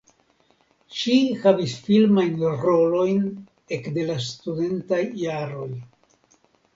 Ŝi havis filmajn rolojn ekde la studentaj jaroj.